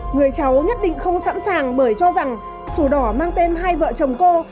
người cháu nhất định không sẵn sàng bởi cho rằng sổ đỏ mang tên hai vợ chồng cô